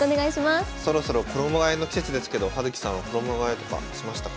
そろそろ衣がえの季節ですけど葉月さんは衣がえとかしましたか？